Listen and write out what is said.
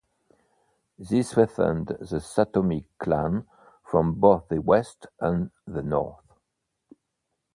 This threatened the Satomi clan from both the west and the north.